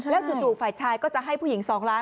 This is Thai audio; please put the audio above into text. จู่ฝ่ายชายก็จะให้ผู้หญิง๒ล้าน